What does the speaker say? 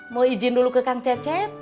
mau izin dulu ke kang cecep